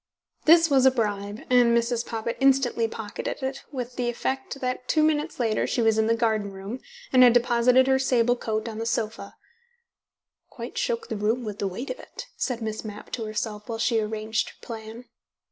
This was a bribe, and Mrs. Poppit instantly pocketed it, with the effect that two minutes later she was in the garden room, and had deposited her sable coat on the sofa ("Quite shook the room with the weight of it," said Miss Mapp to herself while she arranged her plan).